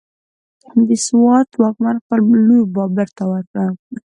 د سوات واکمن خپله لور بابر ته ورکړه،